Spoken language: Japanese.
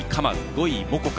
５位、モコカ。